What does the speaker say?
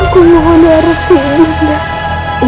aku mohonnya harus tinggal di rumah ibu